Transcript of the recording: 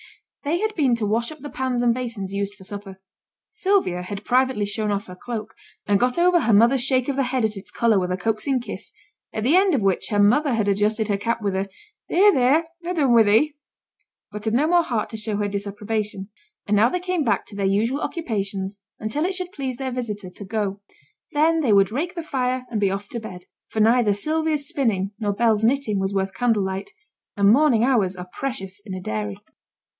They had been to wash up the pans and basins used for supper; Sylvia had privately shown off her cloak, and got over her mother's shake of the head at its colour with a coaxing kiss, at the end of which her mother had adjusted her cap with a 'There! there! ha' done wi' thee,' but had no more heart to show her disapprobation; and now they came back to their usual occupations until it should please their visitor to go; then they would rake the fire and be off to bed; for neither Sylvia's spinning nor Bell's knitting was worth candle light, and morning hours are precious in a dairy.